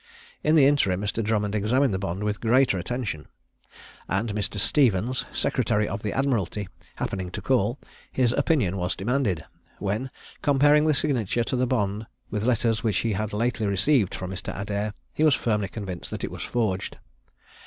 In the interim, Mr. Drummond examined the bond with greater attention; and Mr. Stephens, secretary of the Admiralty, happening to call, his opinion was demanded, when, comparing the signature to the bond with letters which he had lately received from Mr. Adair, he was firmly convinced that it was forged.